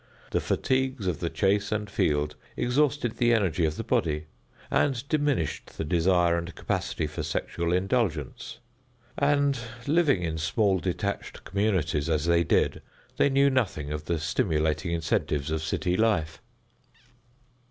The fatigues of the chase and field exhausted the energy of the body, and diminished the desire and capacity for sexual indulgence, and, living in small detached communities as they did, they knew nothing of the stimulating incentives of city life.